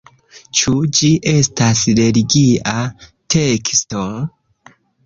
Ĉu ĝi estas religia teksto?